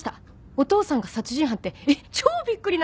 お父さんが殺人犯って超びっくりなんだけど！